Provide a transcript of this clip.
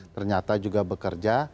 ternyata juga bekerja